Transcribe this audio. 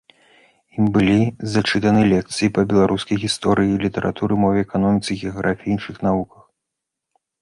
Ім былі зачытаны лекцыі па беларускай гісторыі, літаратуры, мове, эканоміцы, геаграфіі і іншых навуках.